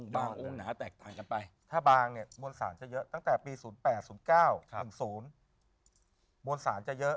องค์หนาแตกต่างกันไปถ้าบางเนี่ยมวลสารจะเยอะตั้งแต่ปี๐๘๐๙๑๐มวลสารจะเยอะ